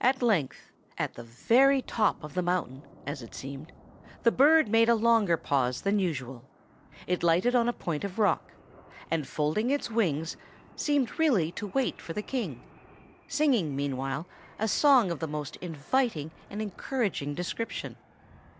At length, at the very top of the mountain, as it seemed, the bird made a longer pause than usual. It lighted on a point of rock, and folding its wings, seemed really to wait for the King, singing, meanwhile, a song of the most inviting and encouraging description.